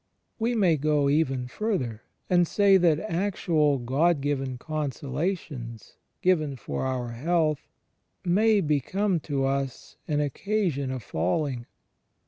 We may go even further, and say that actual God given consolations, given "for our health," may "become to us an occasion of falling."